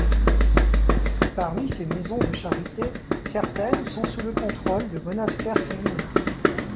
Parmi ces maisons de charité, certaines sont sous le contrôle de monastères féminins.